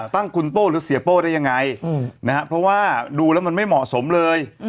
ตั้งคุณโป้หรือเสียโป้ได้ยังไงนะครับเพราะว่าดูแล้วมันไม่เหมาะสมเลย